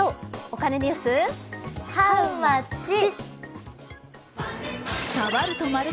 お金ニュース、ハウマッチ。